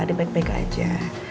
dia baik baik aja